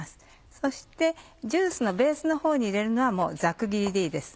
そしてジュースのベースのほうに入れるのはもうざく切りでいいです。